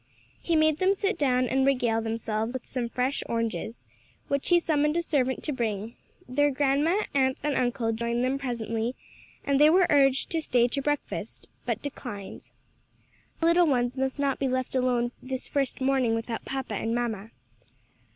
He made them sit down and regale themselves with some fine fresh oranges, which he summoned a servant to bring; their grandma, aunt and uncle joined them presently and they were urged to stay to breakfast, but declined. "The little ones must not be left alone this first morning without papa and mamma."